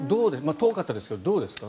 遠かったですがどうでしたか？